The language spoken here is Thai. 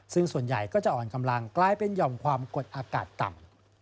ซึ่งส่วนใหญ่ก็จะอ่อนกำลังกลายเป็นหย่อมความกดอากาศต่ำ